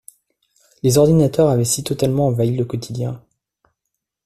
les ordinateurs avaient si totalement envahi le quotidien